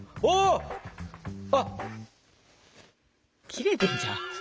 切れてんじゃん。